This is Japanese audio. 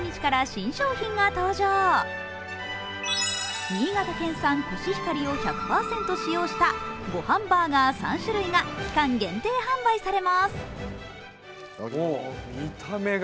新潟県産コシヒカリを１００％使用したごはんバーガー３種類が期間限定発売されます。